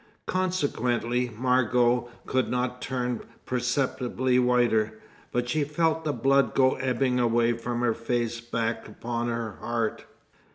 Consequently Margot could not turn perceptibly whiter, but she felt the blood go ebbing away from her face back upon her heart.